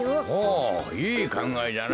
おいいかんがえじゃな。